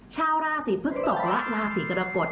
ชาวราศีพฤกษกและราศีกรกฎ